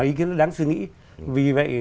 ý kiến rất đáng suy nghĩ vì vậy